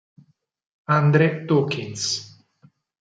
Andre Dawkins